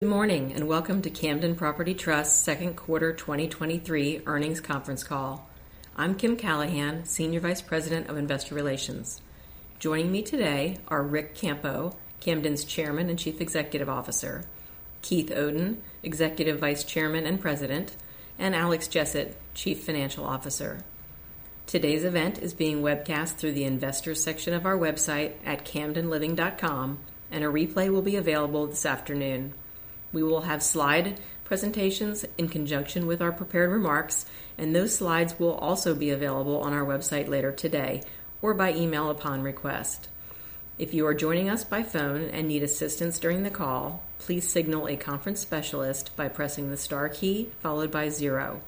Good morning, welcome to Camden Property Trust's second quarter 2023 earnings conference call. I'm Kim Callahan, Senior Vice President of Investor Relations. Joining me today are Rick Campo, Camden's Chairman and Chief Executive Officer; Keith Oden, Executive Vice Chairman and President; and Alex Jessett, Chief Financial Officer. Today's event is being webcast through the investors section of our website at camdenliving.com, and a replay will be available this afternoon. We will have slide presentations in conjunction with our prepared remarks, and those slides will also be available on our website later today, or by email upon request. If you are joining us by phone and need assistance during the call, please signal a conference specialist by pressing the star key followed by 0.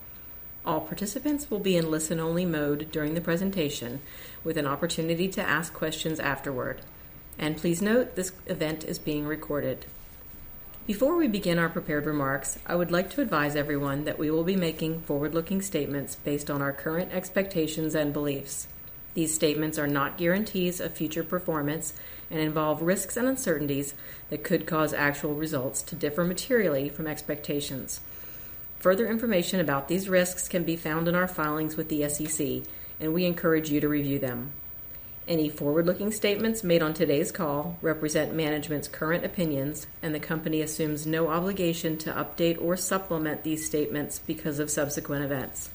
All participants will be in listen-only mode during the presentation, with an opportunity to ask questions afterward. Please note, this event is being recorded. Before we begin our prepared remarks, I would like to advise everyone that we will be making forward-looking statements based on our current expectations and beliefs. These statements are not guarantees of future performance and involve risks and uncertainties that could cause actual results to differ materially from expectations. Further information about these risks can be found in our filings with the SEC, and we encourage you to review them. Any forward-looking statements made on today's call represent management's current opinions, and the company assumes no obligation to update or supplement these statements because of subsequent events.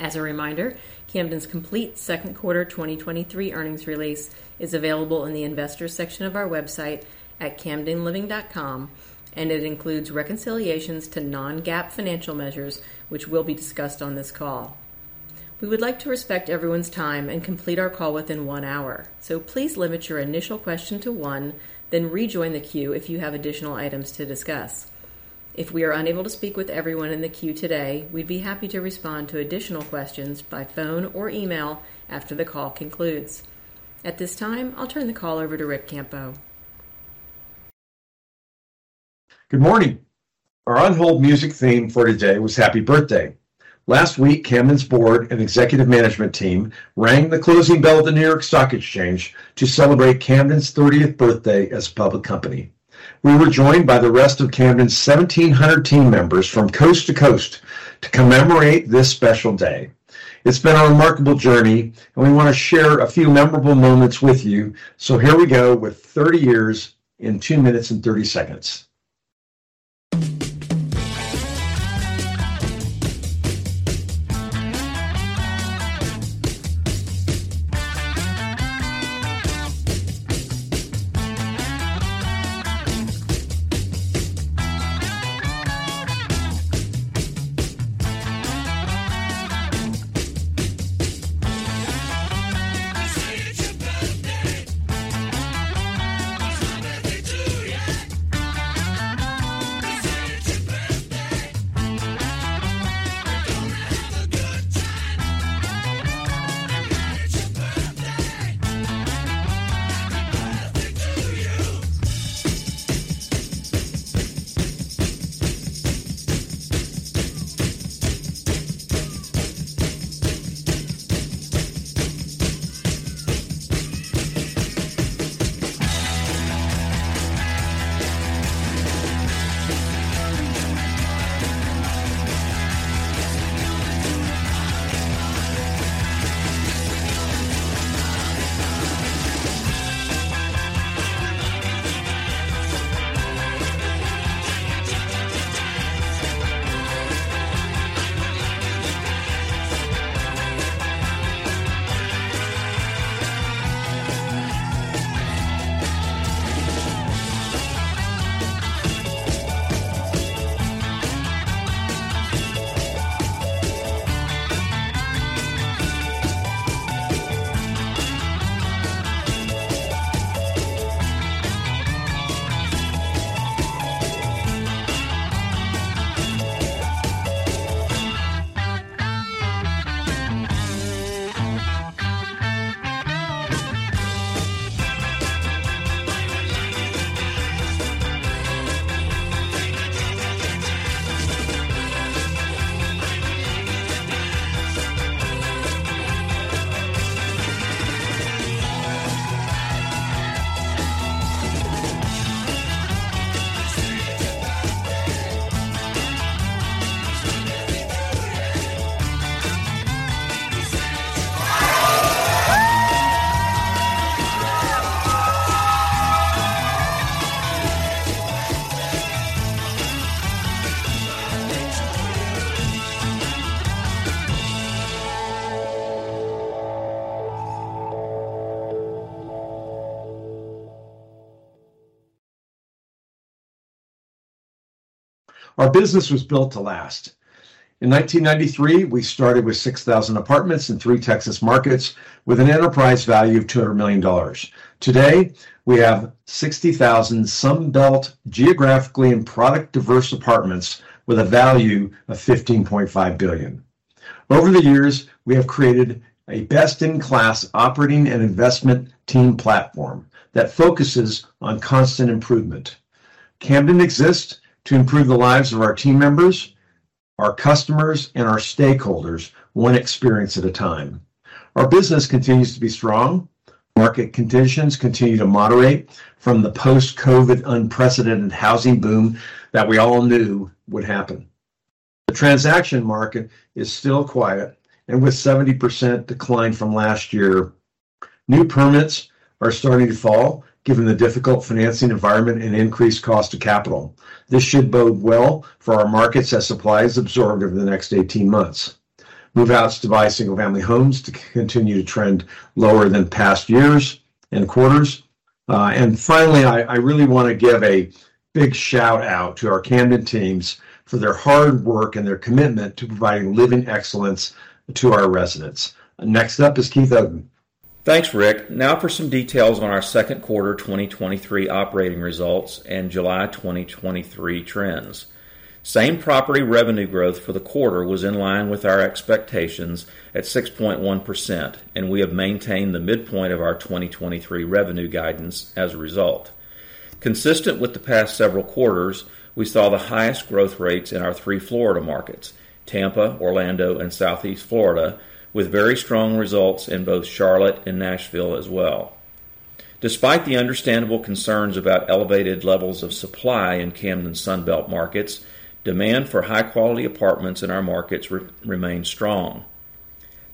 As a reminder, Camden's complete second quarter 2023 earnings release is available in the Investors section of our website at camdenliving.com, and it includes reconciliations to non-GAAP financial measures, which will be discussed on this call. We would like to respect everyone's time and complete our call within one hour. Please limit your initial question to one. Rejoin the queue if you have additional items to discuss. If we are unable to speak with everyone in the queue today, we'd be happy to respond to additional questions by phone or email after the call concludes. At this time, I'll turn the call over to Rick Campo. Good morning! Our on-hold music theme for today was Happy Birthday. Last week, Camden's board and executive management team rang the closing bell at the New York Stock Exchange to celebrate Camden's 30th birthday as a public company. We were joined by the rest of Camden's 1,700 team members from coast to coast to commemorate this special day. It's been a remarkable journey, and we want to share a few memorable moments with you. Here we go with 30 years in 2 minutes and 30 seconds. Our business was built to last. In 1993, we started with 6,000 apartments in 3 Texas markets, with an enterprise value of $200 million. Today, we have 60,000 Sun Belt geographically and product-diverse apartments with a value of $15.5 billion. Over the years, we have created a best-in-class operating and investment team platform that focuses on constant improvement. Camden exists to improve the lives of our team members, our customers and our stakeholders, one experience at a time. Our business continues to be strong. Market conditions continue to moderate from the post-COVID unprecedented housing boom that we all knew would happen. The transaction market is still quiet. With 70% decline from last year, new permits are starting to fall, given the difficult financing environment and increased cost of capital. This should bode well for our markets as supply is absorbed over the next 18 months. Move-outs to buy single-family homes to continue to trend lower than past years and quarters. Finally, I really want to give a big shout-out to our Camden teams for their hard work and their commitment to providing living excellence to our residents. Next up is Keith Oden. Thanks, Rick. Now for some details on our second quarter 2023 operating results and July 2023 trends. Same-property revenue growth for the quarter was in line with our expectations at 6.1%, and we have maintained the midpoint of our 2023 revenue guidance as a result. Consistent with the past several quarters, we saw the highest growth rates in our three Florida markets: Tampa, Orlando, and Southeast Florida, with very strong results in both Charlotte and Nashville as well. Despite the understandable concerns about elevated levels of supply in Camden's Sun Belt markets, demand for high-quality apartments in our markets remain strong.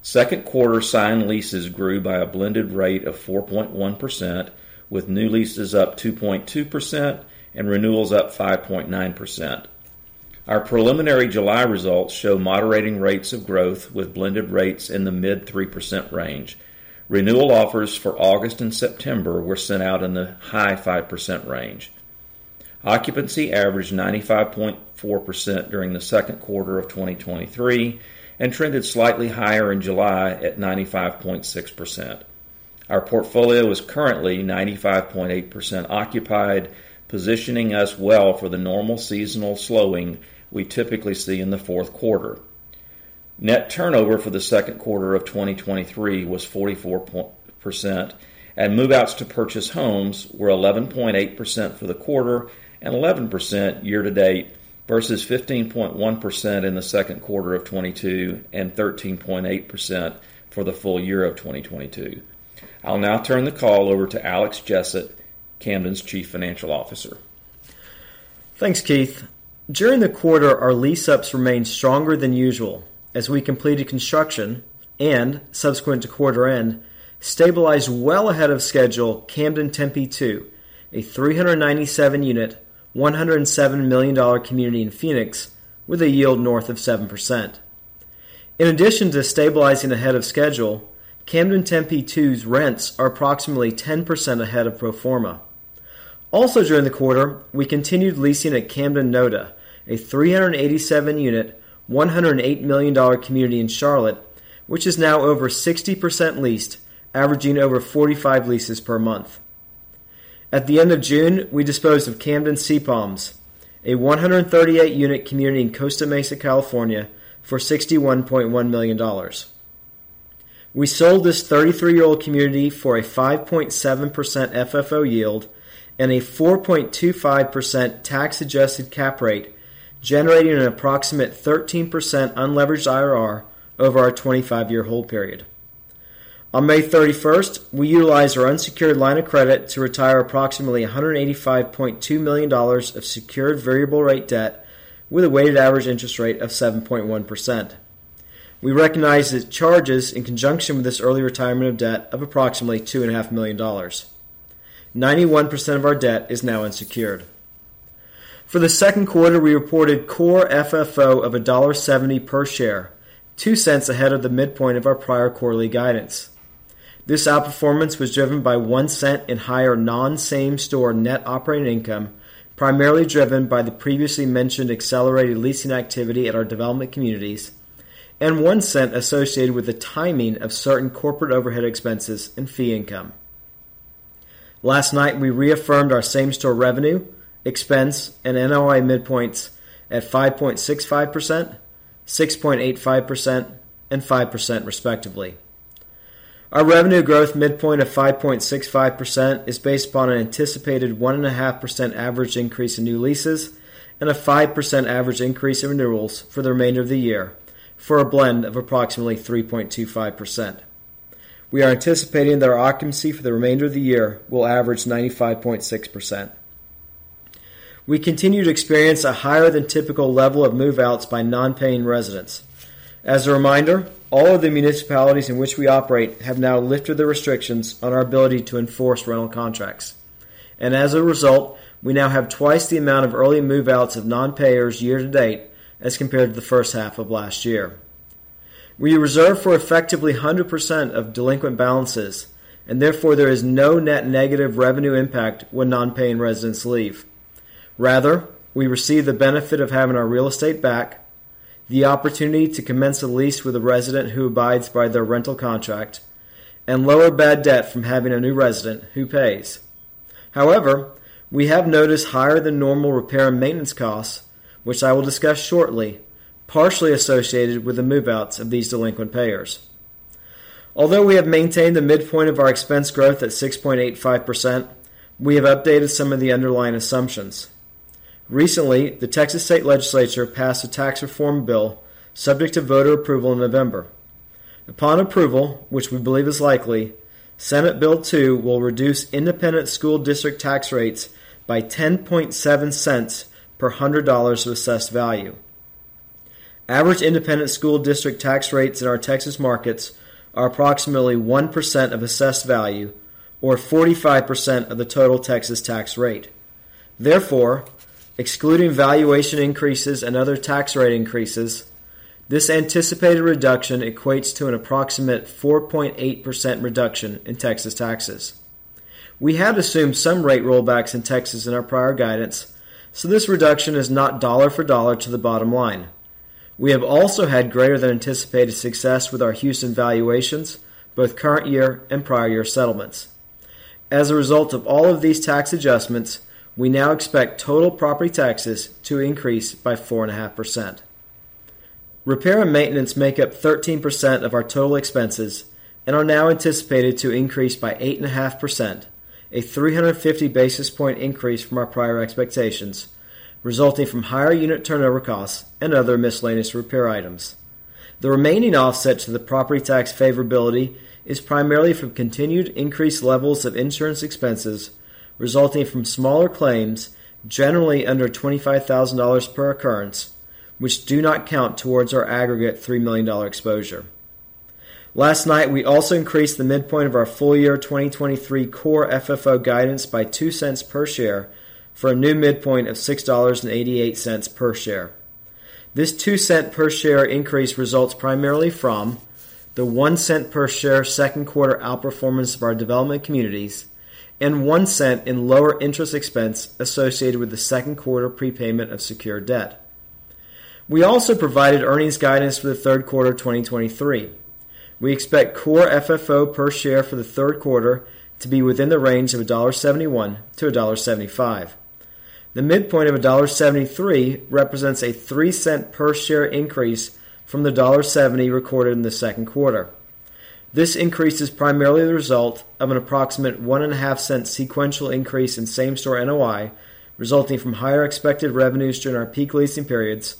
Second quarter signed leases grew by a blended rate of 4.1%, with new leases up 2.2% and renewals up 5.9%. Our preliminary July results show moderating rates of growth with blended rates in the mid 3% range. Renewal offers for August and September were sent out in the high 5% range. Occupancy averaged 95.4% during the second quarter of 2023 and trended slightly higher in July at 95.6%. Our portfolio is currently 95.8% occupied, positioning us well for the normal seasonal slowing we typically see in the fourth quarter. Net turnover for the second quarter of 2023 was 44%, and move-outs to purchase homes were 11.8% for the quarter and 11% year to date versus 15.1% in the second quarter of 2022 and 13.8% for the full year of 2022. I'll now turn the call over to Alex Jessett, Camden's Chief Financial Officer. Thanks, Keith. During the quarter, our lease-ups remained stronger than usual as we completed construction and, subsequent to quarter end, stabilized well ahead of schedule Camden Tempe II, a 397 unit, $107 million community in Phoenix with a yield north of 7%. In addition to stabilizing ahead of schedule, Camden Tempe II's rents are approximately 10% ahead of pro forma. Also, during the quarter, we continued leasing at Camden NoDa, a 387 unit, $108 million community in Charlotte, which is now over 60% leased, averaging over 45 leases per month. At the end of June, we disposed of Camden Sea Palms, a 138 unit community in Costa Mesa, California, for $61.1 million. We sold this 33-year-old community for a 5.7% FFO yield and a 4.25% tax-adjusted cap rate, generating an approximate 13% unleveraged IRR over our 25-year hold period. On May 31st, we utilized our unsecured line of credit to retire approximately $185.2 million of secured variable rate debt with a weighted average interest rate of 7.1%. We recognized the charges in conjunction with this early retirement of debt of approximately $2.5 million. 91% of our debt is now unsecured. For the second quarter, we reported Core FFO of $1.70 per share, $0.02 ahead of the midpoint of our prior quarterly guidance. This outperformance was driven by $0.01 in higher non-same-store Net Operating Income, primarily driven by the previously mentioned accelerated leasing activity at our development communities, and $0.01 associated with the timing of certain corporate overhead expenses and fee income. Last night, we reaffirmed our same-store revenue, expense, and NOI midpoints at 5.65%, 6.85%, and 5% respectively. Our revenue growth midpoint of 5.65% is based upon an anticipated 1.5% average increase in new leases and a 5% average increase in renewals for the remainder of the year, for a blend of approximately 3.25%. We are anticipating that our occupancy for the remainder of the year will average 95.6%. We continue to experience a higher than typical level of move-outs by non-paying residents. As a reminder, all of the municipalities in which we operate have now lifted the restrictions on our ability to enforce rental contracts. As a result, we now have twice the amount of early move-outs of non-payers year to date as compared to the first half of last year. We reserve for effectively 100% of delinquent balances, and therefore there is no net negative revenue impact when non-paying residents leave. Rather, we receive the benefit of having our real estate back, the opportunity to commence a lease with a resident who abides by their rental contract, and lower bad debt from having a new resident who pays. However, we have noticed higher than normal repair and maintenance costs, which I will discuss shortly, partially associated with the move-outs of these delinquent payers.... Although we have maintained the midpoint of our expense growth at 6.85%, we have updated some of the underlying assumptions. Recently, the Texas Legislature passed a tax reform bill subject to voter approval in November. Upon approval, which we believe is likely, Senate Bill 2 will reduce independent school district tax rates by $0.107 per $100 of assessed value. Average independent school district tax rates in our Texas markets are approximately 1% of assessed value or 45% of the total Texas tax rate. Excluding valuation increases and other tax rate increases, this anticipated reduction equates to an approximate 4.8% reduction in Texas taxes. We have assumed some rate rollbacks in Texas in our prior guidance, this reduction is not dollar for dollar to the bottom line. We have also had greater than anticipated success with our Houston valuations, both current year and prior year settlements. As a result of all of these tax adjustments, we now expect total property taxes to increase by 4.5%. Repair and maintenance make up 13% of our total expenses and are now anticipated to increase by 8.5%, a 350 basis point increase from our prior expectations, resulting from higher unit turnover costs and other miscellaneous repair items. The remaining offset to the property tax favorability is primarily from continued increased levels of insurance expenses resulting from smaller claims, generally under $25,000 per occurrence, which do not count towards our aggregate $3 million exposure. Last night, we also increased the midpoint of our full year 2023 Core FFO guidance by $0.02 per share for a new midpoint of $6.88 per share. This $0.02 per share increase results primarily from the $0.01 per share second quarter outperformance of our development communities and $0.01 in lower interest expense associated with the second quarter prepayment of secured debt. We also provided earnings guidance for the third quarter of 2023. We expect Core FFO per share for the third quarter to be within the range of $1.71-$1.75. The midpoint of $1.73 represents a $0.03 per share increase from the $1.70 recorded in the second quarter. This increase is primarily the result of an approximate $0.015 sequential increase in same-store NOI, resulting from higher expected revenues during our peak leasing periods,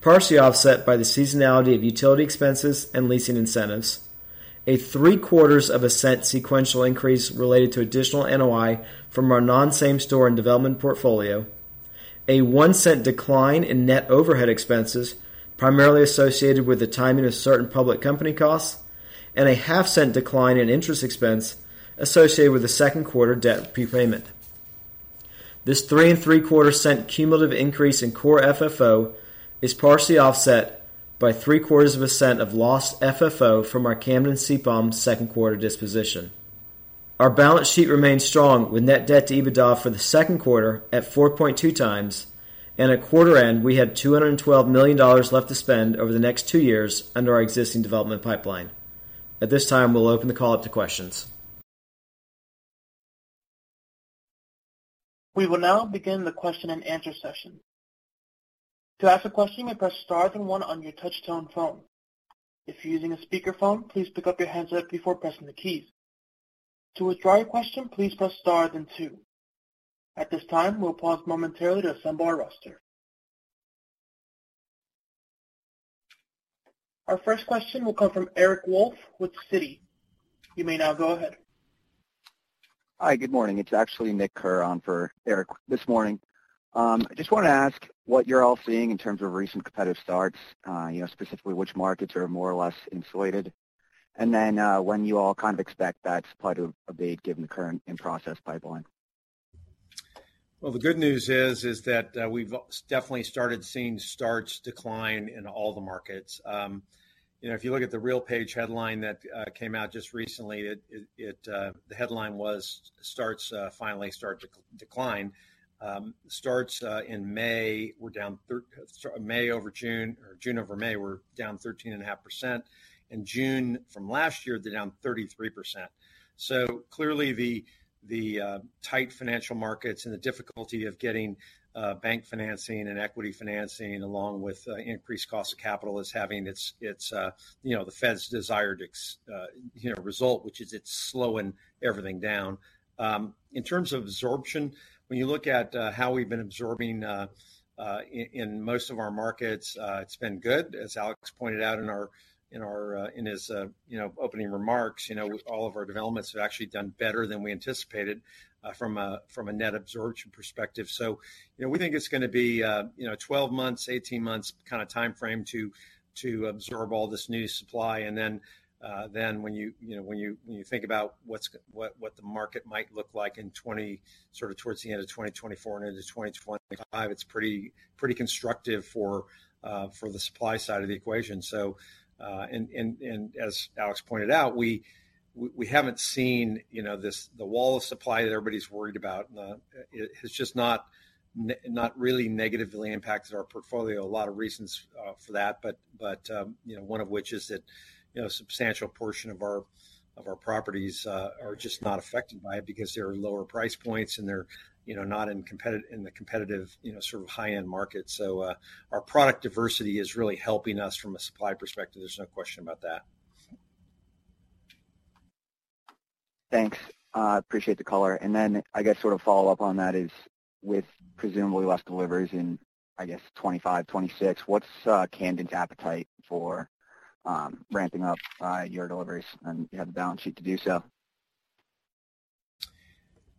partially offset by the seasonality of utility expenses and leasing incentives. A $0.0075 sequential increase related to additional NOI from our non-same store and development portfolio, a $0.01 decline in net overhead expenses, primarily associated with the timing of certain public company costs, and a $0.005 decline in interest expense associated with the second quarter debt prepayment. This $0.0375 cumulative increase in Core FFO is partially offset by $0.0075 of lost FFO from our Camden CPOM second quarter disposition. Our balance sheet remains strong, with net debt to EBITDA for the second quarter at 4.2 times. At quarter end, we had $212 million left to spend over the next 2 years under our existing development pipeline. At this time, we'll open the call up to questions. We will now begin the question-and-answer session. To ask a question, you may press star then 1 on your touch-tone phone. If you're using a speakerphone, please pick up your handset before pressing the keys. To withdraw your question, please press star then 2. At this time, we'll pause momentarily to assemble our roster. Our 1st question will come from Eric Wolfe with Citi. You may now go ahead. Hi, good morning. It's actually Nick Kerr on for Eric this morning. I just wanted to ask what you're all seeing in terms of recent competitive starts, you know, specifically, which markets are more or less insulated? When you all kind of expect that to start to abate, given the current in-process pipeline. The good news is that we've definitely started seeing starts decline in all the markets. You know, if you look at the RealPage headline that came out just recently, the headline was, "Starts finally start to decline." Starts in May were down May over June, or June over May, were down 13.5%. In June from last year, they're down 33%. Clearly the, the tight financial markets and the difficulty of getting bank financing and equity financing, along with increased cost of capital, is having its you know, the Fed's desire to ex, you know, result, which is that its slowing everything down. In terms of absorption, when you look at how we've been absorbing, in most of our markets, it's been good. As Alex pointed out in our you know, opening remarks, you know, all of our developments have actually done better than we anticipated, from a net absorption perspective. You know, we think it's gonna be, you know, 12 months, 18 months kind of time frame to, to absorb all this new supply. Then, then when you, you know, when you, when you think about what the market might look like in 20, sort of towards the end of 2024 and into 2025, it's pretty, pretty constructive for, for the supply side of the equation. And as Alex pointed out, we, we, we haven't seen, you know, this, the wall of supply that everybody's worried about. It has just not, not really negatively impacted our portfolio. A lot of reasons for that but you know, one of which is that, you know, a substantial portion of our, of our properties, are just not affected by it because they're lower price points, and they're, you know, not in competitive, in the competitive, you know, sort of high-end market. Our product diversity is really helping us from a supply perspective. There's no question about that. Thanks. Appreciate the color. Then I guess sort of follow up on that is with presumably less deliveries in, I guess, 2025, 2026, what's Camden's appetite for ramping up your deliveries, and you have the balance sheet to do so?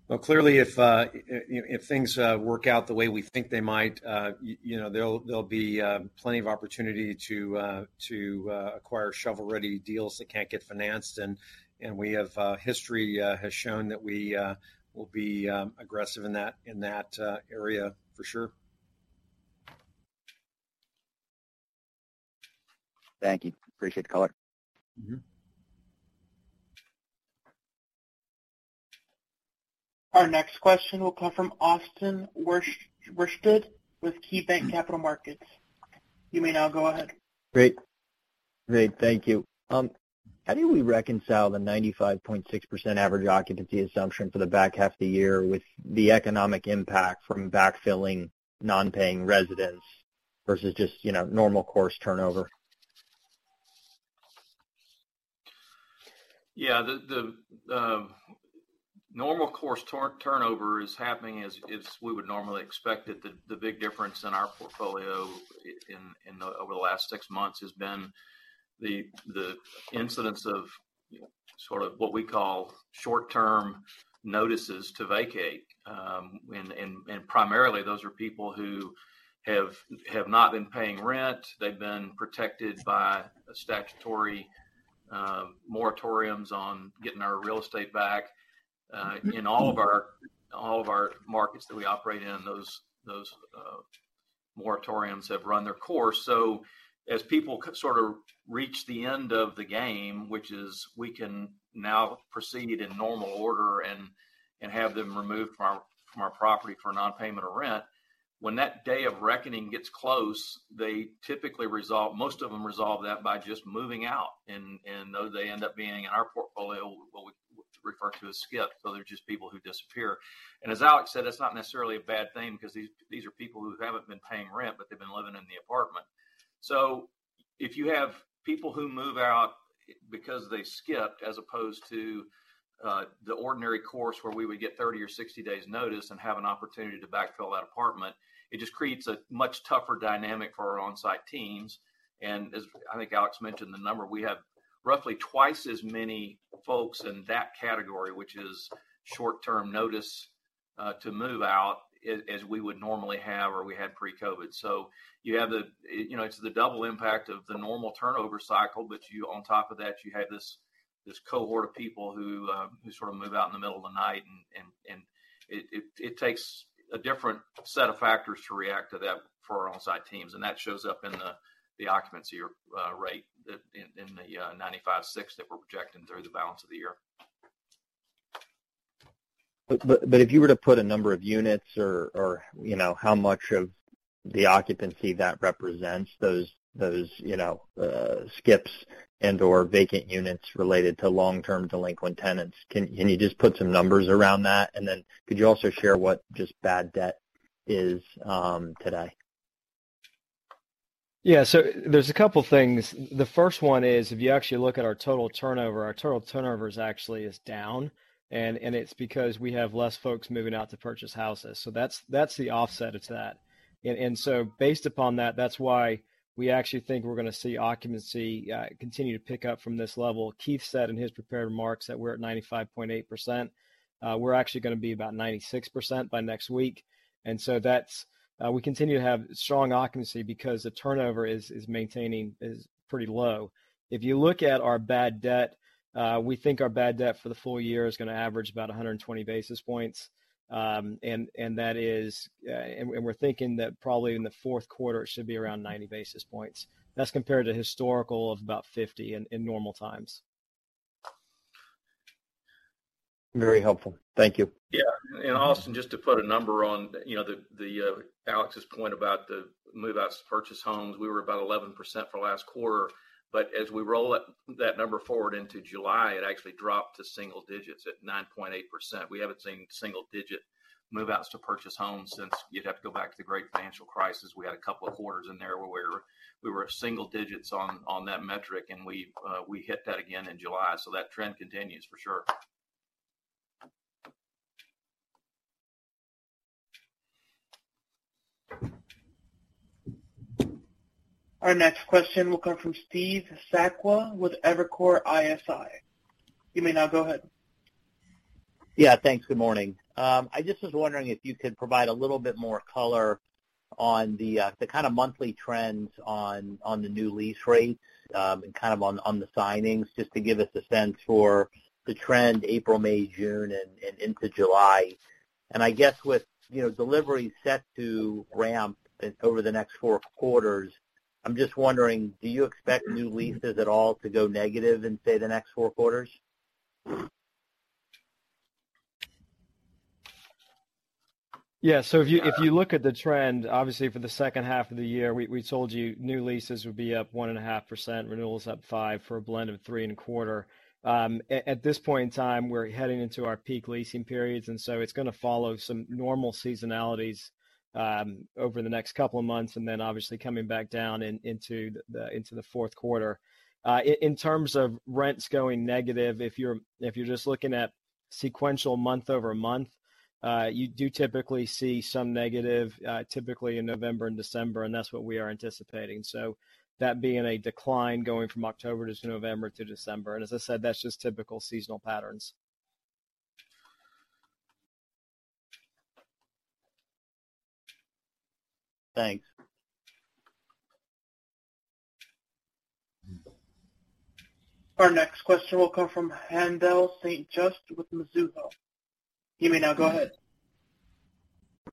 Well, clearly, if things work out the way we think they might, you know, there'll be plenty of opportunity to to acquire shovel-ready deals that can't get financed. We have. History has shown that we will be aggressive in that, in that area for sure. Thank you. Appreciate the color. ........ Our next question will come from Austin Wurschmidt with KeyBanc Capital Markets. You may now go ahead. Great. Great, thank you. How do we reconcile the 95.6% average occupancy assumption for the back half of the year with the economic impact from backfilling non-paying residents versus just, you know, normal course turnover? Yeah, the normal course turn-turnover is happening as, as we would normally expect it. The, the big difference in our portfolio over the last six months has been the, the incidence of sort of what we call short-term notices to vacate. Primarily, those are people who have not been paying rent. They've been protected by a statutory moratoria on getting our real estate back. In all of our markets that we operate in, those moratoriums have run their course. As people sort of reach the end of the game, which is we can now proceed in normal order and have them removed from our property for non-payment of rent, when that day of reckoning gets close, they typically resolve. Most of them resolve that by just moving out. And those, they end up being in our portfolio, what we refer to as skip. They're just people who disappear. As Alex said, that's not necessarily a bad thing because these, these are people who haven't been paying rent, but they've been living in the apartment. If you have people who move out because they skipped, as opposed to the ordinary course, where we would get 30 or 60 days notice and have an opportunity to backfill that apartment, it just creates a much tougher dynamic for our on-site teams. As I think Alex mentioned, the number, we have roughly 2 times as many folks in that category, which is short-term notice to move out, as, as we would normally have or we had pre-COVID. You have the, you know, it's the double impact of the normal turnover cycle, but on top of that, you have this, this cohort of people who sort of move out in the middle of the night, and it takes a different set of factors to react to that for our on-site teams, and that shows up in the, the occupancy rate, in the 95.6% that we're projecting through the balance of the year. If you were to put a number of units or you know, how much of the occupancy that represents those, you know, skips and/or vacant units related to long-term delinquent tenants, can you just put some numbers around that? Then could you also share what just bad debt is today? Yeah, there's a couple things. The first one is, if you actually look at our total turnover, our total turnover is actually down, and it's because we have less folks moving out to purchase houses. That's, that's the offset to that. Based upon that, that's why we actually think we're gonna see occupancy continue to pick up from this level. Keith said in his prepared remarks that we're at 95.8%. We're actually gonna be about 96% by next week, We continue to have strong occupancy because the turnover is, is maintaining, is pretty low. If you look at our bad debt, we think our bad debt for the full year is gonna average about 120 basis points. That is. We're thinking that probably in the fourth quarter, it should be around 90 basis points. That's compared to historical of about 50 in normal times. Very helpful. Thank you. Yeah. Austin, just to put a number on, you know, the, the Alex's point about the move out to purchase homes, we were about 11% for last quarter, but as we roll up that number forward into July, it actually dropped to single digits at 9.8%. We haven't seen single digit move-outs to purchase homes since you'd have to go back to the great financial crisis. We had a couple of quarters in there where we were, we were single digits on, on that metric, and we hit that again in July. That trend continues for sure. Our next question will come from Steve Sakwa with Evercore ISI. You may now go ahead. Yeah, thanks. Good morning. I just was wondering if you could provide a little bit more color on the the kind of monthly trends on the new lease rates and kind of on on the signings, just to give us a sense for the trend, April, May, June, and into July. I guess with, you know, deliveries set to ramp over the next four quarters, I'm just wondering, do you expect new leases at all to go negative in, say, the next four quarters? Yeah. If you, if you look at the trend, obviously for the second half of the year, we, we told you new leases would be up 1.5%, renewals up 5% for a blend of 3.25%. At this point in time, we're heading into our peak leasing periods, and so it's gonna follow some normal seasonality over the next couple of months, and then obviously coming back down into the fourth quarter. In terms of rents going negative, if you're just looking at sequential month-over-month, you do typically see some negative, typically in November and December, and that's what we are anticipating. That being a decline going from October to November to December, and as I said, that's just typical seasonal patterns. Thanks. Our next question will come from Haendel St. Juste with Mizuho. You may now go ahead.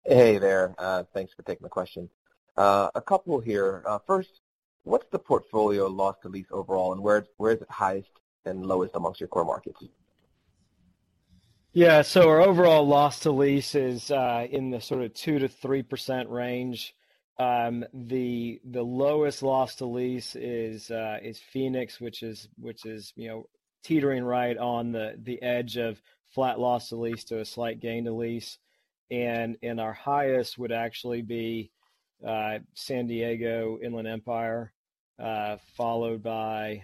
Hey there. Thanks for taking the question. A couple here. First, what's the portfolio loss-to-lease overall, and where, where is it highest and lowest amongst your core markets? Yeah, so our overall loss-to-lease is in the sort of 2%-3% range. The lowest loss-to-lease is Phoenix, which is, which is, you know, teetering right on the edge of flat loss-to-lease to a slight gain-to-lease. Our highest would actually be San Diego, Inland Empire, followed by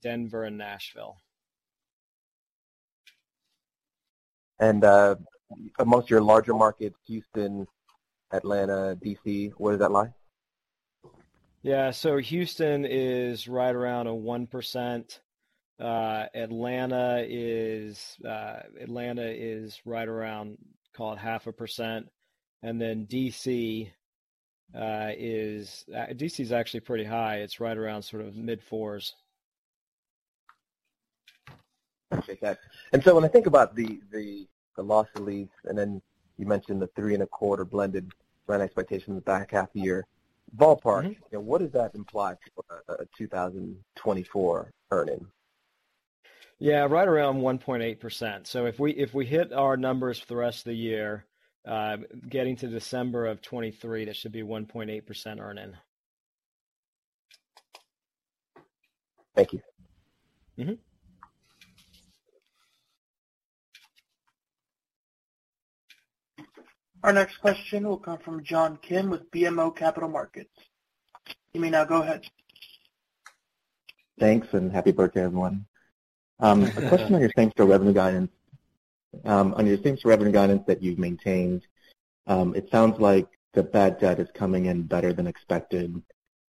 Denver and Nashville. Amongst your larger markets, Houston, Atlanta, D.C., where does that lie? Houston is right around a 1%. Atlanta is right around call it 0.5%. DC is actually pretty high. It's right around sort of mid-fours. Okay, got it. When I think about the, the, the loss to lease, and then you mentioned the 3.25 blended rent expectation in the back half of the year, ballpark-...... What does that imply for 2024 earning? Yeah, right around 1.8%. If we, if we hit our numbers for the rest of the year, getting to December of 2023, that should be 1.8% earning. Thank you...... Our next question will come from John Kim with BMO Capital Markets. You may now go ahead. Thanks, and happy birthday, everyone. A question On your same-store revenue guidance that you've maintained, it sounds like the bad debt is coming in better than expected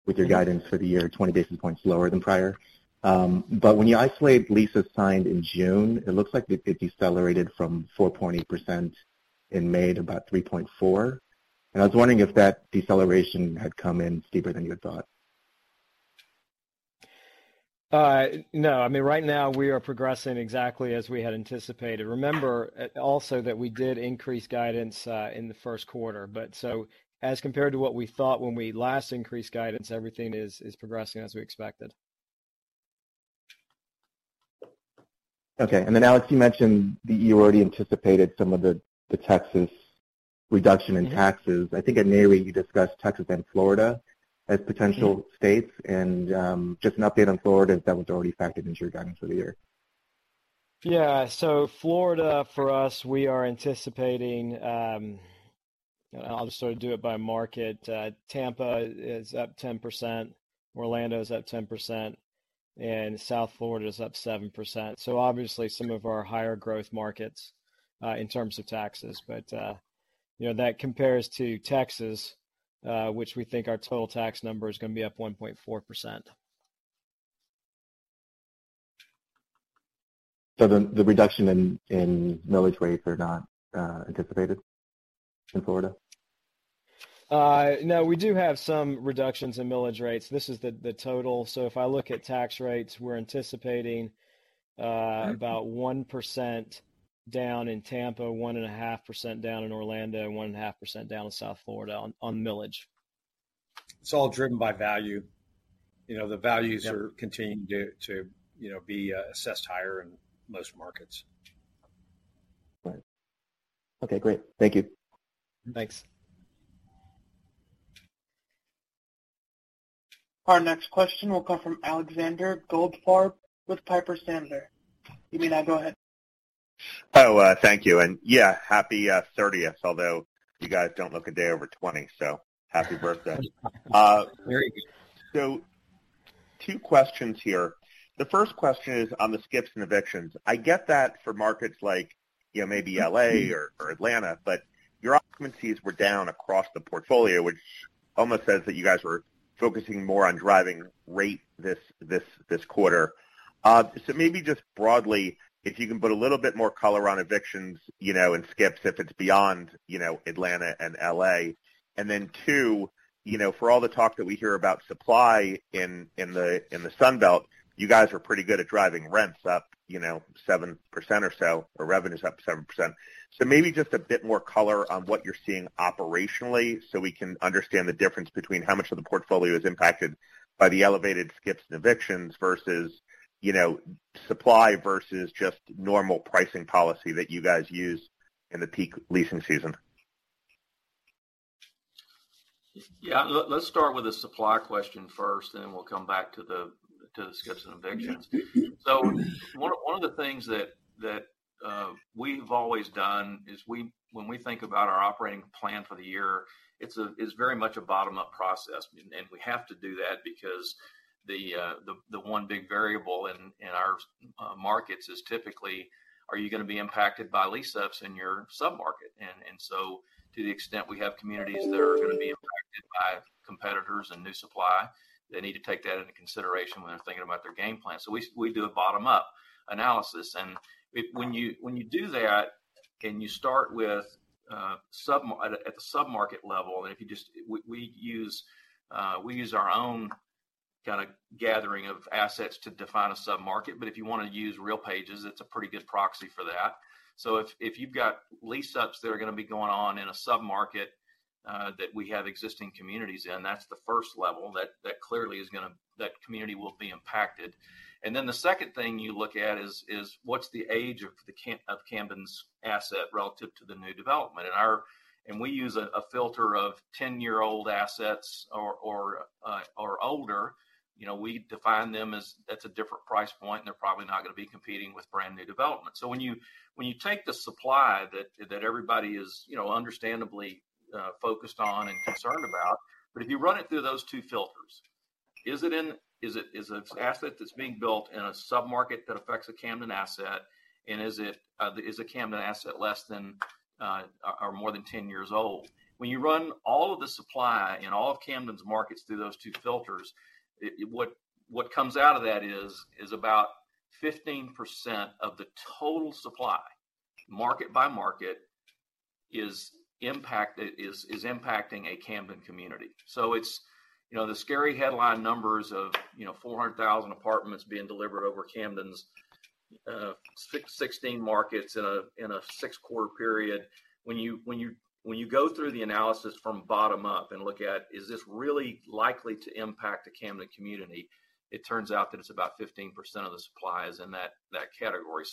with your guidance for the year, 20 basis points lower than prior. When you isolate leases signed in June, it looks like it decelerated from 4.8% in May to about 3.4%. I was wondering if that deceleration had come in steeper than you had thought. No. I mean, right now, we are progressing exactly as we had anticipated. Remember also that we did increase guidance in the first quarter, but so as compared to what we thought when we last increased guidance, everything is, is progressing as we expected. Okay. Alex, you mentioned that you already anticipated some of the, the Texas reduction in taxes....... I think in May, you discussed Texas and Florida as potential-.... states. just an update on Florida, if that was already factored into your guidance for the year. Yeah. Florida, for us, we are anticipating. I'll just sort of do it by market. Tampa is up 10%, Orlando is up 10%, and South Florida is up 7%. Obviously, some of our higher growth markets in terms of taxes. You know, that compares to Texas, which we think our total tax number is going to be up 1.4%. The, the reduction in, in millage rates are not, anticipated in Florida? No, we do have some reductions in millage rates. This is the, the total. If I look at tax rates, we're anticipating......... about 1% down in Tampa, 1.5% down in Orlando, and 1.5% down in South Florida on, on millage. It's all driven by value. You know, the values- Yep are continuing to, to, you know, be assessed higher in most markets. Right. Okay, great. Thank you. Thanks. Our next question will come from Alexander Goldfarb with Piper Sandler. You may now go ahead. Thank you. Yeah, happy 30th. Although, you guys don't look a day over 20, so happy birthday. Two questions here. The first question is on the skips and evictions. I get that for markets like, you know, maybe L.A. or Atlanta, your occupancies were down across the portfolio, which almost says that you guys were focusing more on driving rate this quarter. Maybe just broadly, if you can put a little bit more color on evictions, you know, and skips, if it's beyond, you know, Atlanta and L.A. Two, you know, for all the talk that we hear about supply in the Sun Belt, you guys are pretty good at driving rents up, you know, 7% or so, or revenues up 7%. Maybe just a bit more color on what you're seeing operationally, so we can understand the difference between how much of the portfolio is impacted by the elevated skips and evictions versus, you know, supply, versus just normal pricing policy that you guys use in the peak leasing season. Yeah, let's start with the supply question first, and then we'll come back to the, to the skips and evictions. One of the things that we've always done is when we think about our operating plan for the year, it's a very much a bottom-up process. We have to do that because the one big variable in our markets is typically, are you gonna be impacted by lease-ups in your sub-market? To the extent we have communities that are gonna be impacted by competitors and new supply, they need to take that into consideration when they're thinking about their game plan. We do a bottom-up analysis. If when you do that, and you start with at the sub-market level. We, we use, we use our own kind of gathering of assets to define a sub-market, but if you want to use RealPage, it's a pretty good proxy for that. If, if you've got lease-ups that are going to be going on in a sub-market, that we have existing communities in, that's the first level, that, that clearly is going to. That community will be impacted. Then the second thing you look at is, is what's the age of Camden's asset relative to the new development? We use a, a filter of 10-year-old assets or, or, or older. You know, we define them as that's a different price point, and they're probably not going to be competing with brand-new development. When you, when you take the supply that, that everybody is, you know, understandably focused on and concerned about, but if you run it through those two filters, is it an asset that's being built in a sub-market that affects a Camden asset? Is it, is a Camden asset less than or more than 10 years old? When you run all of the supply in all of Camden's markets through those two filters, what comes out of that is, is about 15% of the total supply, market by market, is impacted, is, is impacting a Camden community. It's, you know, the scary headline numbers of, you know, 400,000 apartments being delivered over Camden's 16 markets in a 6-quarter period. When you, when you, when you go through the analysis from bottom up and look at, is this really likely to impact a Camden community? It turns out that it's about 15% of the supply is in that category.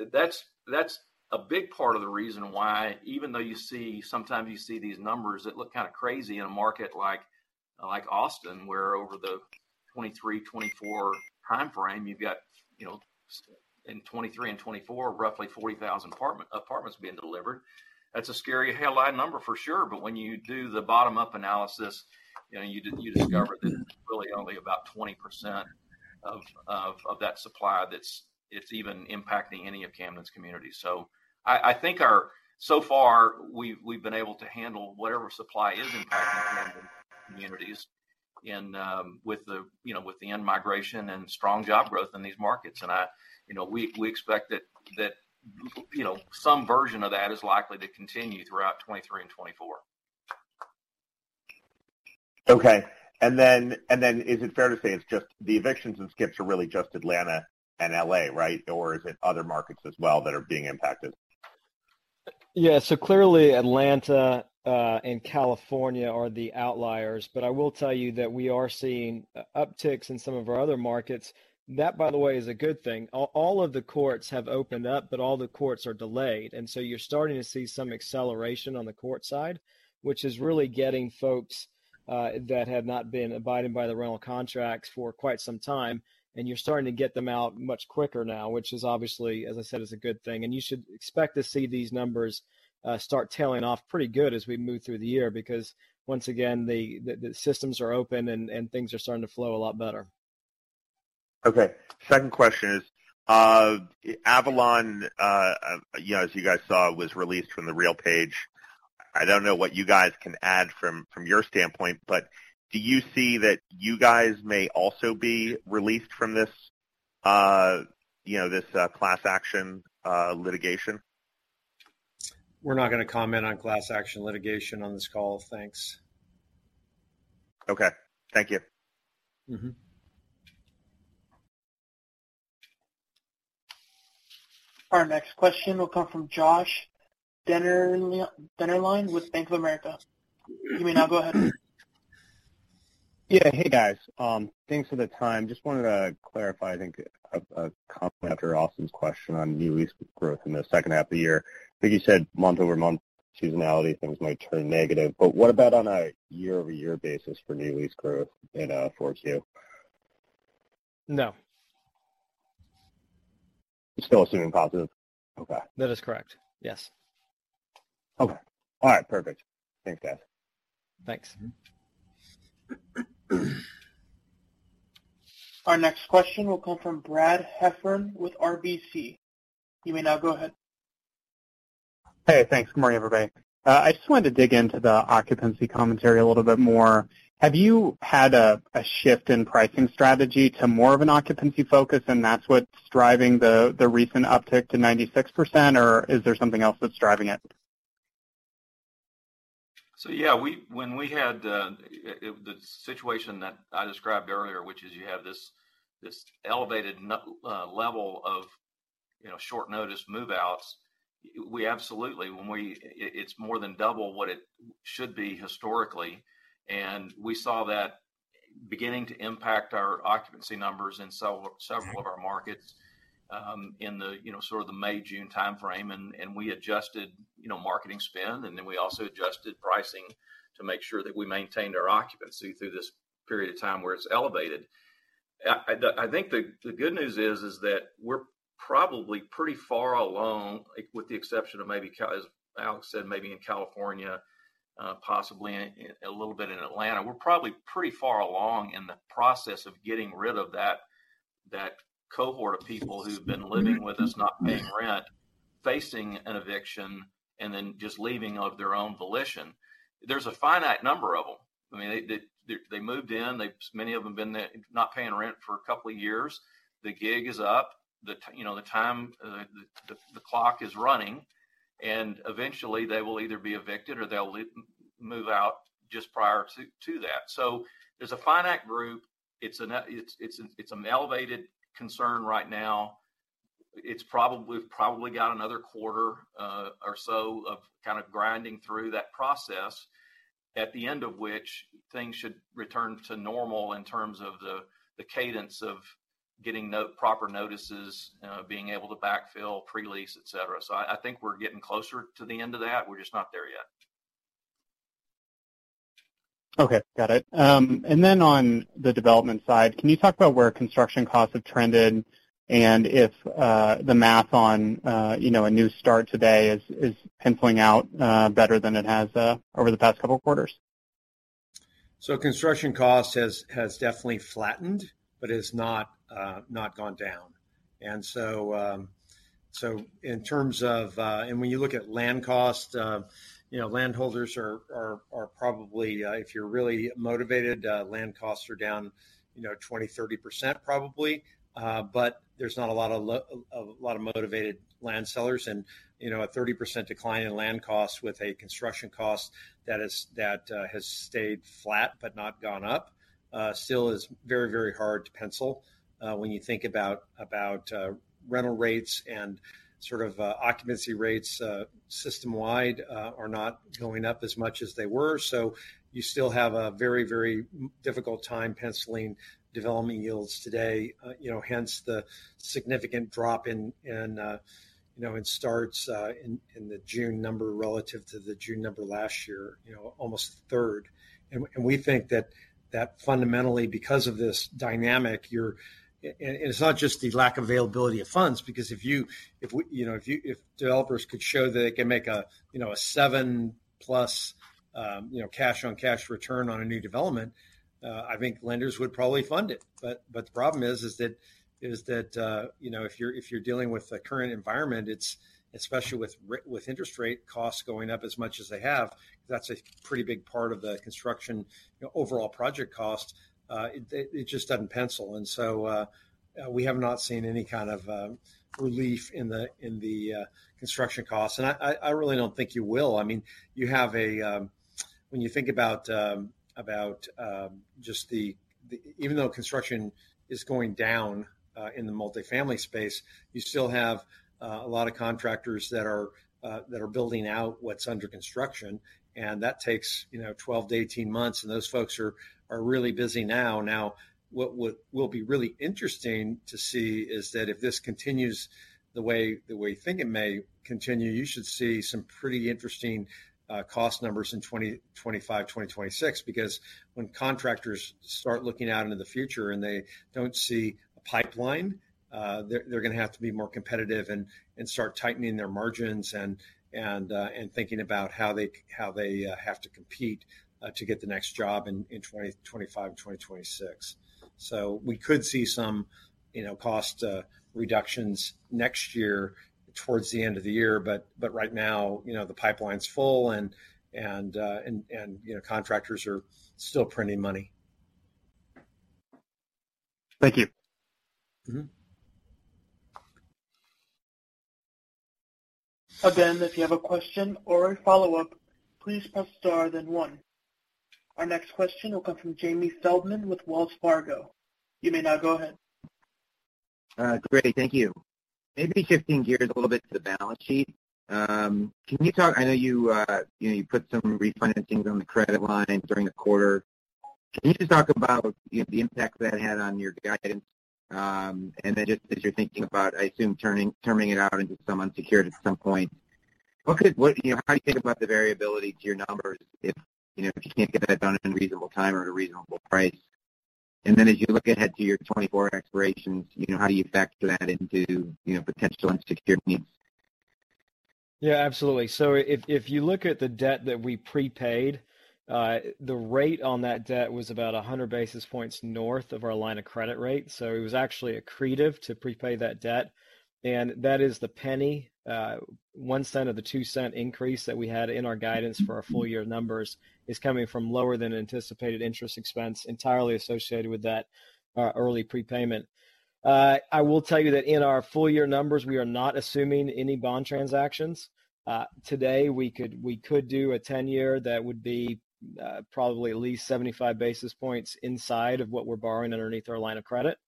That's a big part of the reason why, even though you see sometimes you see these numbers that look kind of crazy in a market like Austin, where over the 2023, 2024 time frame, you've got, you know, in 2023 and 2024, roughly 40,000 apartments being delivered. That's a scary headline number for sure, but when you do the bottom-up analysis, you know, you discover that it's really only about 20% of that supply that's even impacting any of Camden's communities. I think our... So far, we've, we've been able to handle whatever supply is impacting Camden communities in, with the, you know, with the in-migration and strong job growth in these markets. I, you know, we, we expect that, that, you know, some version of that is likely to continue throughout 2023 and 2024. Okay. Then, and then is it fair to say it's just the evictions and skips are really just Atlanta and L.A., right? Is it other markets as well that are being impacted? Yeah. Clearly, Atlanta and California are the outliers, but I will tell you that we are seeing upticks in some of our other markets. That, by the way, is a good thing. All, all of the courts have opened up, but all the courts are delayed, and you're starting to see some acceleration on the court side, which is really getting folks that have not been abiding by the rental contracts for quite some time, and you're starting to get them out much quicker now, which is obviously, as I said, is a good thing. You should expect to see these numbers start tailing off pretty good as we move through the year, because once again, the, the, the systems are open, and, and things are starting to flow a lot better. Okay. Second question is, Avalon, you know, as you guys saw, was released from the RealPage. I don't know what you guys can add from, from your standpoint, but do you see that you guys may also be released from this, you know, this class action litigation? We're not gonna comment on class action litigation on this call. Thanks. Okay, thank you..... Our next question will come from Joshua Dennerlein, Dennerlein with Bank of America. You may now go ahead. Yeah. Hey, guys, thanks for the time. Just wanted to clarify, I think, a, a comment after Austin's question on new lease growth in the second half of the year. I think you said month-over-month seasonality, things might turn negative, but what about on a year-over-year basis for new lease growth in 4Q? No. You're still assuming positive? Okay. That is correct, yes. Okay. All right, perfect. Thanks, guys. Thanks. Mm-hmm. Our next question will come from Brad Heffern with RBC. You may now go ahead. Hey, thanks. Good morning, everybody. I just wanted to dig into the occupancy commentary a little bit more. Have you had a, a shift in pricing strategy to more of an occupancy focus, and that's what's driving the, the recent uptick to 96%, or is there something else that's driving it? Yeah, we had the situation that I described earlier, which is you have this, this elevated level of, you know, short-notice move-outs. We absolutely. It's more than double what it should be historically, and we saw that beginning to impact our occupancy numbers in several of our markets, in the, you know, sort of the May, June timeframe. We adjusted, you know, marketing spend, and then we also adjusted pricing to make sure that we maintained our occupancy through this period of time where it's elevated. I think the good news is that we're probably pretty far along, like with the exception of maybe California, as Alex said, maybe in California, possibly a little bit in Atlanta. We're probably pretty far along in the process of getting rid of that, that cohort of people who've been living with us, not paying rent, facing an eviction, then just leaving of their own volition. There's a finite number of them. I mean, they, they, they moved in, many of them been there not paying rent for two years. The gig is up. You know, the time, the clock is running. Eventually they will either be evicted or they'll move out just prior to, to that. There's a finite group. It's an elevated concern right now. It's probably, we've probably got another quarter, or so of kind of grinding through that process, at the end of which things should return to normal in terms of the, the cadence of getting proper notices, being able to backfill, pre-lease, et cetera. I, I think we're getting closer to the end of that. We're just not there yet. Okay, got it. Then on the development side, can you talk about where construction costs have trended and if the math on, you know, a new start today is, is penciling out better than it has over the past couple of quarters? Construction cost has, has definitely flattened but has not not gone down. In terms of, and when you look at land costs, you know, landholders are, are, are probably, if you're really motivated, land costs are down, you know, 20%, 30% probably. But there's not a lot of a lot of motivated land sellers. You know, a 30% decline in land costs with a construction cost that is, that has stayed flat but not gone up, still is very, very hard to pencil. When you think about, about, rental rates and sort of, occupancy rates, system-wide, are not going up as much as they were. You still have a very, very difficult time penciling development yields today. You know, hence the significant drop in, in, you know, in starts, in, in the June number relative to the June number last year, you know, almost a third. We think that, that fundamentally, because of this dynamic, and it's not just the lack of availability of funds, because if you, if we, you know, if you, if developers could show that they can make a, you know, a 7+, you know, cash-on-cash return on a new development, I think lenders would probably fund it. The problem is, is that, is that, you know, if you're, if you're dealing with the current environment, it's, especially with interest rate costs going up as much as they have, that's a pretty big part of the construction, you know, overall project cost. It, it just doesn't pencil. We have not seen any kind of relief in the construction costs. I really don't think you will. I mean, you have a. When you think about about just even though construction is going down in the multifamily space, you still have a lot of contractors that are that are building out what's under construction, and that takes, you know, 12 to 18 months, and those folks are are really busy now. Now, what will be really interesting to see is that if this continues the way, the way you think it may continue, you should see some pretty interesting cost numbers in 2025, 2026. Because when contractors start looking out into the future and they don't see a pipeline, they're, they're gonna have to be more competitive and, and start tightening their margins and, and thinking about how they, how they have to compete to get the next job in, in 2025 and 2026. We could see some, you know, cost reductions next year towards the end of the year. Right now, you know, the pipeline's full and, and, you know, contractors are still printing money. Thank you...... Again, if you have a question or a follow-up, please press star then 1. Our next question will come from Jamie Feldman with Wells Fargo. You may now go ahead. Great. Thank you. Maybe shifting gears a little bit to the balance sheet. Can you talk... I know you, you know, you put some refinancings on the credit line during the quarter. Can you just talk about the, the impact that had on your guidance? And then just as you're thinking about, I assume, turning, turning it out into some unsecured at some point, what could, what, you know, how you think about the variability to your numbers if, you know, if you can't get that done in a reasonable time or at a reasonable price? And then, as you look ahead to your 2024 expirations, you know, how do you factor that into, you know, potential unsecured needs? Yeah, absolutely. If, if you look at the debt that we prepaid, the rate on that debt was about 100 basis points north of our line of credit rate, so it was actually accretive to prepay that debt. That is the penny, $0.01 of the $0.02 increase that we had in our guidance for our full year numbers is coming from lower than anticipated interest expense, entirely associated with that early prepayment. I will tell you that in our full year numbers, we are not assuming any bond transactions. Today, we could, we could do a 10-year that would be probably at least 75 basis points inside of what we're borrowing underneath our line of credit.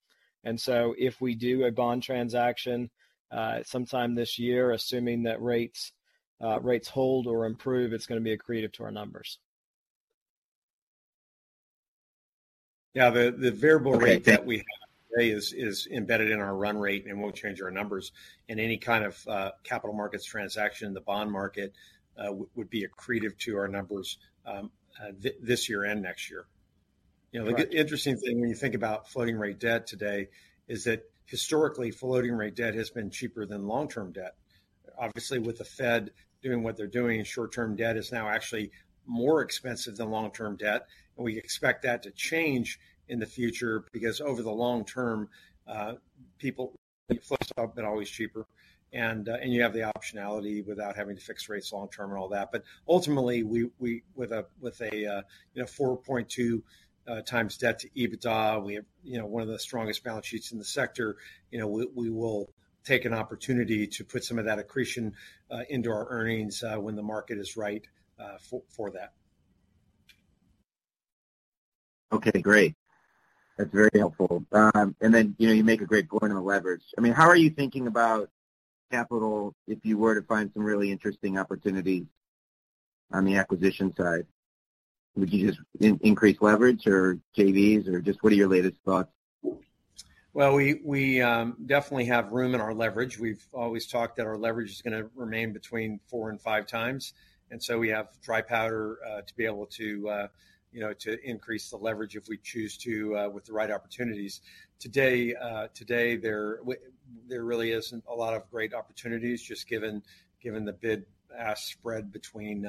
If we do a bond transaction, sometime this year, assuming that rates-... rates hold or improve, it's gonna be accretive to our numbers. Yeah, the, the variable rate- Okay, thank- that we have today is, is embedded in our run rate and won't change our numbers. Any kind of capital markets transaction in the bond market would be accretive to our numbers this year and next year. Right. You know, the interesting thing when you think about floating rate debt today, is that historically, floating rate debt has been cheaper than long-term debt. Obviously, with the Fed doing what they're doing, short-term debt is now actually more expensive than long-term debt, and we expect that to change in the future. Over the long term, floats have been always cheaper, and you have the optionality without having to fix rates long term and all that. Ultimately, we with a, you know, 4.2x debt to EBITDA, we have, you know, one of the strongest balance sheets in the sector. You know, we will take an opportunity to put some of that accretion into our earnings when the market is right for, for that. Okay, great. That's very helpful. Then, you know, you make a great point on the leverage. I mean, how are you thinking about capital if you were to find some really interesting opportunities on the acquisition side? Would you just increase leverage or JVs, or just what are your latest thoughts? Well, we, we definitely have room in our leverage. We've always talked that our leverage is gonna remain between four and five times, and so we have dry powder to be able to, you know, to increase the leverage if we choose to with the right opportunities. Today, today, there really isn't a lot of great opportunities, just given, given the bid-ask spread between,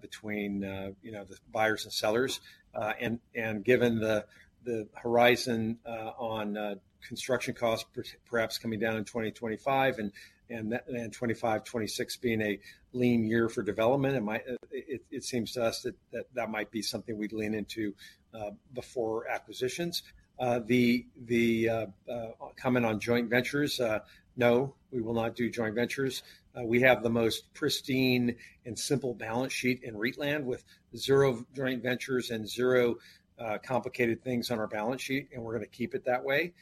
between, you know, the buyers and sellers. Given the, the horizon on construction costs perhaps coming down in 2025, and 2025, 2026 being a lean year for development, it might, it, it seems to us that, that, that might be something we'd lean into before acquisitions. The, the, comment on joint ventures, no, we will not do joint ventures. We have the most pristine and simple balance sheet in REIT land, with 0 joint ventures and 0 complicated things on our balance sheet, and we're gonna keep it that way.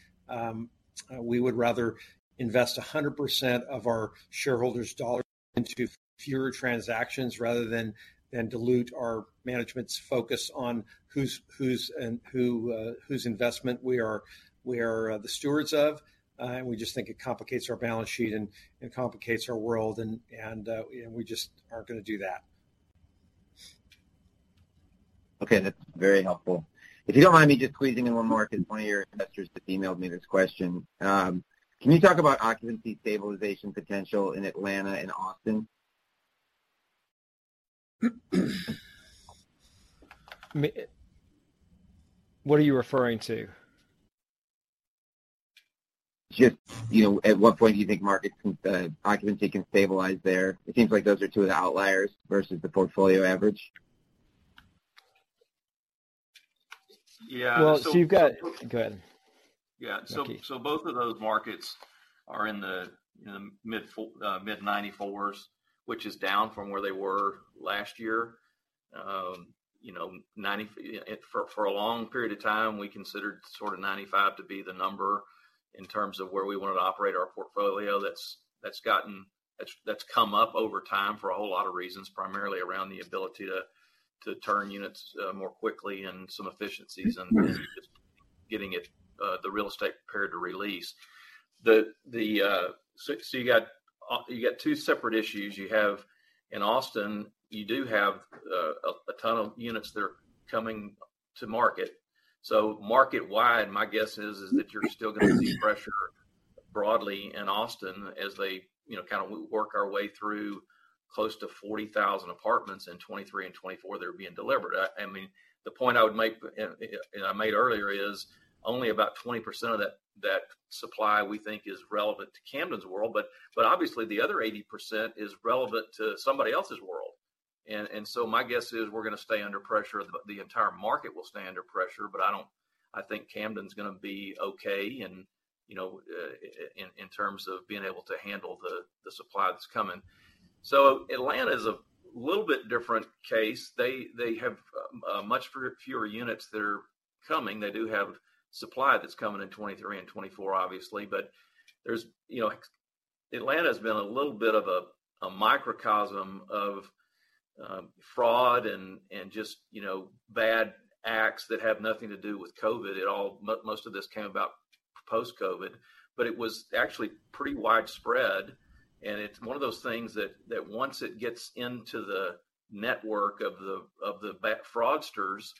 We would rather invest 100% of our shareholders' dollars into fewer transactions rather than, than dilute our management's focus on whose, whose and who, whose investment we are, we are the stewards of. We just think it complicates our balance sheet and, and complicates our world, and, and we just aren't gonna do that. Okay, that's very helpful. If you don't mind me just squeezing in one more because one of your investors just emailed me this question. Can you talk about occupancy stabilization potential in Atlanta and Austin? I mean, what are you referring to? Just, you know, at what point do you think markets, occupancy can stabilize there? It seems like those are two of the outliers versus the portfolio average. Yeah. Well, you've got... Go ahead. Yeah. Okay. So both of those markets are in the, in the mid-94s, which is down from where they were last year. You know, for a long period of time, we considered sort of 95 to be the number in terms of where we wanted to operate our portfolio. That's come up over time for a whole lot of reasons, primarily around the ability to, to turn units more quickly and some efficiencies-........ and just getting it, the real estate prepared to release. You got two separate issues. You have, in Austin, you do have a ton of units that are coming to market. Market-wide, my guess is, is that you're still gonna see pressure broadly in Austin, as they, you know, kind of work our way through close to 40,000 apartments in 2023 and 2024 that are being delivered. I mean, the point I would make and I made earlier is, only about 20% of that supply we think is relevant to Camden's world, but obviously, the other 80% is relevant to somebody else's world. And so my guess is we're gonna stay under pressure, the, the entire market will stay under pressure, but I don't I think Camden's gonna be okay and, you know, in, in terms of being able to handle the, the supply that's coming. Atlanta is a little bit different case. They, they have much fewer, fewer units that are coming. They do have supply that's coming in 2023 and 2024, obviously, but there's, you know. Atlanta has been a little bit of a, a microcosm of fraud and, and just, you know, bad acts that have nothing to do with COVID. It all, most of this came about post-COVID, but it was actually pretty widespread. It's one of those things that, that once it gets into the network of the, of the bad fraudsters,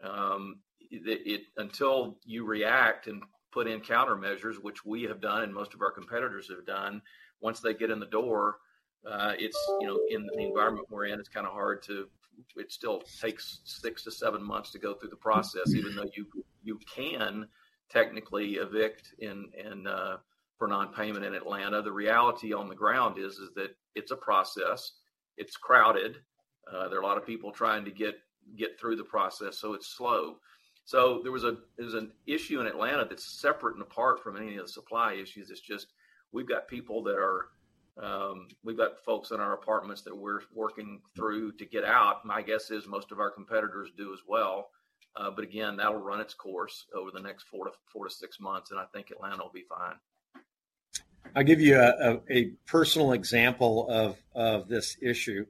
the, until you react and put in countermeasures, which we have done and most of our competitors have done, once they get in the door, it's, you know, in the environment we're in, it's kind of hard to... It still takes 6-7 months to go through the process. Even though you, you can technically evict and, and, for non-payment in Atlanta, the reality on the ground is, is that it's a process, it's crowded, there are a lot of people trying to get, get through the process, so it's slow. There was a, there's an issue in Atlanta that's separate and apart from any of the supply issues. It's just we've got people that are, we've got folks in our apartments that we're working through to get out. My guess is most of our competitors do as well.... again, that'll run its course over the next 4 to 6 months, and I think Atlanta will be fine. I'll give you a, a, a personal example of, of this issue.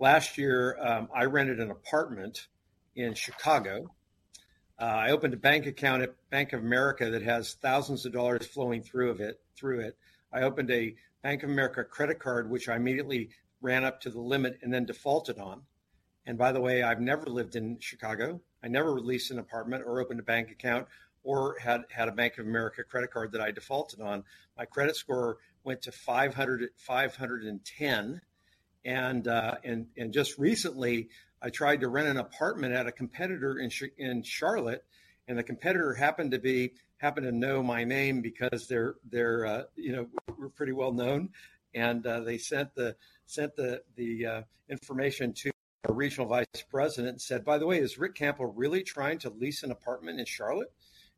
Last year, I rented an apartment in Chicago. I opened a bank account at Bank of America that has thousands of dollars flowing through of it, through it. I opened a Bank of America credit card, which I immediately ran up to the limit and then defaulted on. By the way, I've never lived in Chicago. I never leased an apartment or opened a bank account or had, had a Bank of America credit card that I defaulted on. My credit score went to 500-510, and just recently, I tried to rent an apartment at a competitor in Charlotte, and the competitor happened to be, happened to know my name because they're, they're, you know, we're pretty well known. They sent the, sent the, the, information to a regional vice president and said, "By the way, is Rick Campo really trying to lease an apartment in Charlotte?"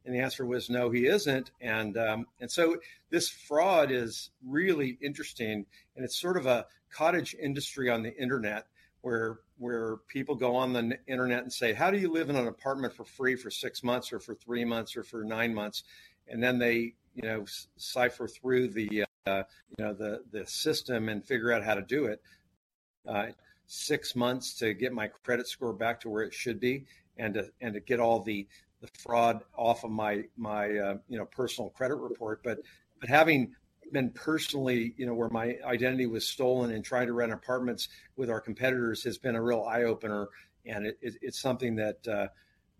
The answer was, "No, he isn't." This fraud is really interesting, and it's sort of a cottage industry on the internet, where, where people go on the internet and say, "How do you live in an apartment for free for six months or for three months or for nine months?" They, you know, cipher through the, you know, the, the system and figure out how to do it. Six months to get my credit score back to where it should be, and to, and to get all the, the fraud off of my, my, you know, personal credit report. Having been personally, you know, where my identity was stolen and trying to rent apartments with our competitors has been a real eye-opener, and it, it's something that,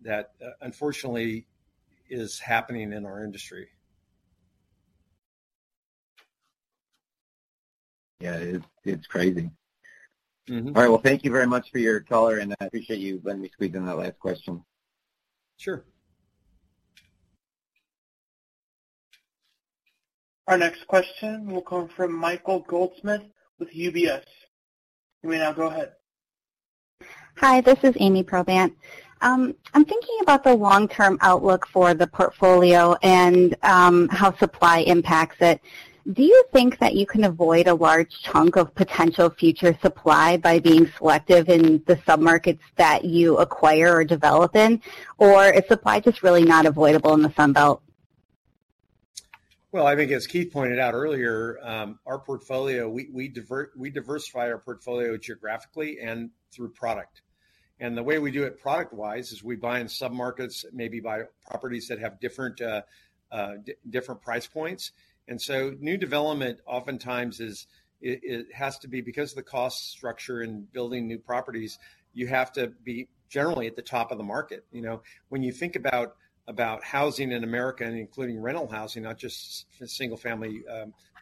that, unfortunately is happening in our industry. Yeah, it, it's crazy......... All right. Well, thank you very much for your tolerance, and I appreciate you letting me squeeze in that last question. Sure. Our next question will come from Michael Goldsmith with UBS. You may now go ahead. Hi, this is Ami Probandt. I'm thinking about the long-term outlook for the portfolio and, how supply impacts it. Do you think that you can avoid a large chunk of potential future supply by being selective in the submarkets that you acquire or develop in, or is supply just really not avoidable in the Sun Belt? Well, I think as Keith pointed out earlier, our portfolio, we, we diversify our portfolio geographically and through product. The way we do it product-wise is we buy in submarkets, maybe buy properties that have different, different price points. New development oftentimes is, it, it has to be because of the cost structure in building new properties, you have to be generally at the top of the market, you know. When you think about, about housing in America and including rental housing, not just for single-family,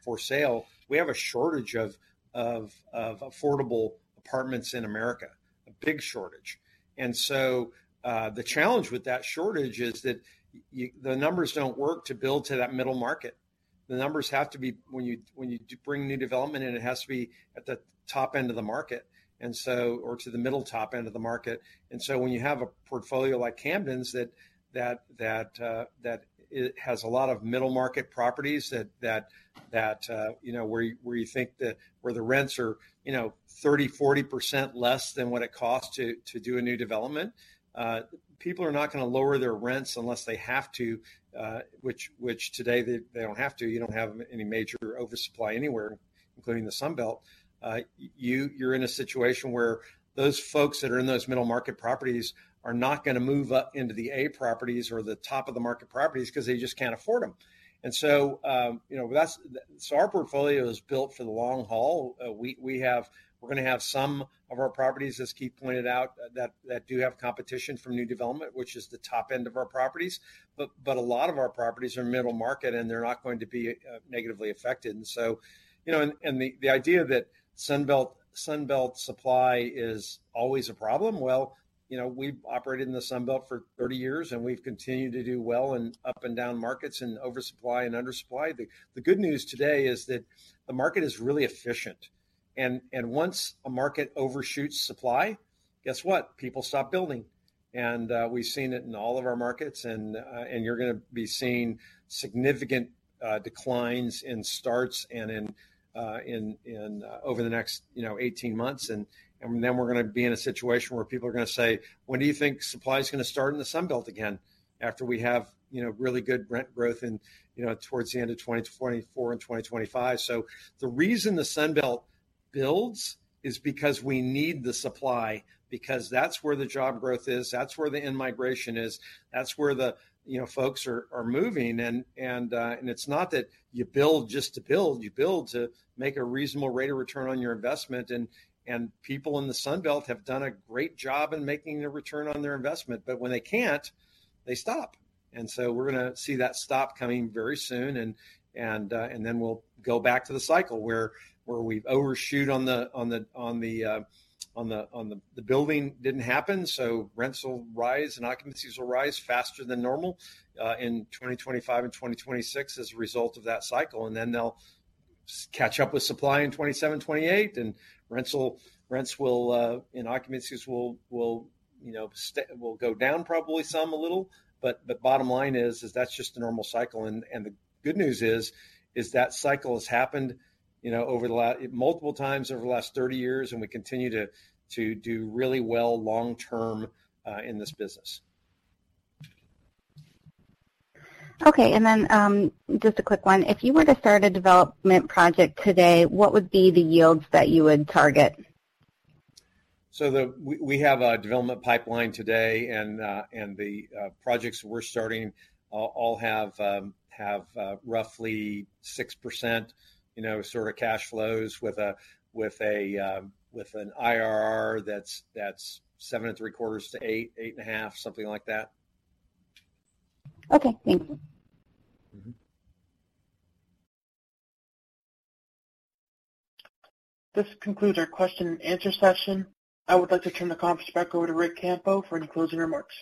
for sale, we have a shortage of, of, of affordable apartments in America, a big shortage. The challenge with that shortage is that the numbers don't work to build to that middle market. The numbers have to be, when you, when you bring new development in, it has to be at the top end of the market, and so, or to the middle-top end of the market. When you have a portfolio like Camden's that, that, that, that it has a lot of middle-market properties, that, that, that, you know, where, where you think the, where the rents are, you know, 30%, 40% less than what it costs to, to do a new development, people are not gonna lower their rents unless they have to, which, which today, they, they don't have to. You don't have any major oversupply anywhere, including the Sun Belt. You, you're in a situation where those folks that are in those middle-market properties are not gonna move up into the A properties or the top of the market properties because they just can't afford them. So, you know, that's- so our portfolio is built for the long haul. We, we're gonna have some of our properties, as Keith pointed out, that, that do have competition from new development, which is the top end of our properties. A lot of our properties are middle market, and they're not going to be negatively affected. So, you know, and, and the, the idea that Sun Belt, Sun Belt supply is always a problem, well, you know, we've operated in the Sun Belt for 30 years, and we've continued to do well in up and down markets, in oversupply and undersupply. The good news today is that the market is really efficient. Once a market overshoots supply, guess what? People stop building. We've seen it in all of our markets, and you're gonna be seeing significant declines in starts and in over the next, you know, 18 months. Then we're gonna be in a situation where people are gonna say, "When do you think supply is gonna start in the Sun Belt again?" After we have, you know, really good rent growth in, you know, towards the end of 2024 and 2025. The reason the Sun Belt builds is because we need the supply, because that's where the job growth is, that's where the in-migration is, that's where the, you know, folks are, are moving. It's not that you build just to build, you build to make a reasonable rate of return on your investment. People in the Sun Belt have done a great job in making a return on their investment, but when they can't, they stop. We're gonna see that stop coming very soon, and then we'll go back to the cycle where, where we've overshoot. The building didn't happen, so rents will rise and occupancies will rise faster than normal in 2025 and 2026 as a result of that cycle. They'll catch up with supply in 27, 28, and rents will, rents will, and occupancies will, will, you know, will go down probably some, a little. The bottom line is, is that's just the normal cycle, and, and the good news is, is that cycle has happened, you know, over multiple times over the last 30 years, and we continue to, to do really well long term, in this business. Okay, just a quick one: If you were to start a development project today, what would be the yields that you would target? The... We, we have a development pipeline today, and the projects we're starting all have roughly 6%, you know, sort of cash flows with a, with an IRR that's, that's 7.75%-8.5%, something like that. Okay, thank you..... This concludes our question and answer session. I would like to turn the conference back over to Rick Campo for any closing remarks.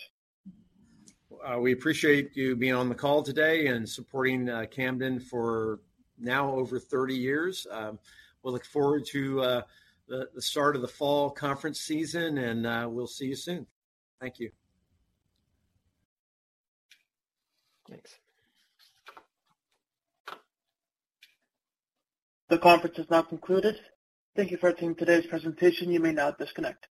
We appreciate you being on the call today and supporting Camden, for now over 30 years. We look forward to the, the start of the fall conference season, and we'll see you soon. Thank you. Thanks. The conference is now concluded. Thank you for attending today's presentation. You may now disconnect.